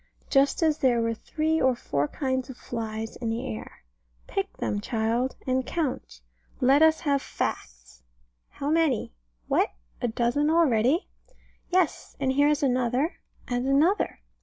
Just as there were three or four kinds of flies in the air. Pick them, child, and count. Let us have facts. How many? What! a dozen already? Yes and here is another, and another.